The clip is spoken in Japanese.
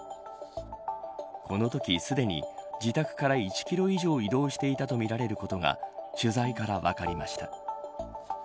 このとき、すでに自宅から１キロ以上移動していたとみられることが取材から分かりました。